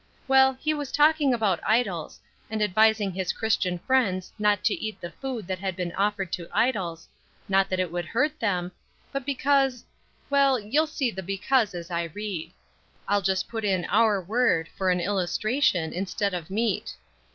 Well, he was talking about idols, and advising his Christian friends not to eat the food that had been offered to idols; not that it would hurt them, but because well, you'll see the 'because' as I read. I'll just put in our word, for an illustration, instead of meat.